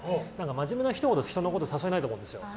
真面目な人ほど人のこと誘えないと思うんですよ。